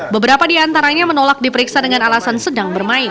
beberapa di antaranya menolak diperiksa dengan alasan sedang bermain